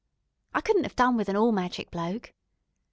I couldn't 'ave done with an all magic bloke.